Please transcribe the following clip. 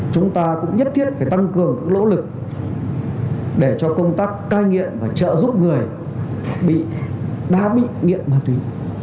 chúng ta cũng nhất thiết phải tăng cường lỗ lực để cho công tác cai nghiện và trợ giúp người bị đã bị nghiện ma túy